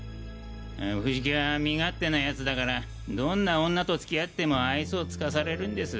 藤木は身勝手な奴だからどんな女と付き合っても愛想を尽かされるんです。